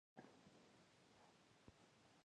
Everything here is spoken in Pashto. موږ باید د ټولنې واقعیتونه هغسې چې دي ووینو.